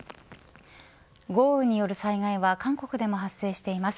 豪雨による災害は韓国でも発生しています。